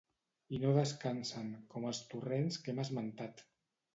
I no descansen, com els torrents que hem esmentat.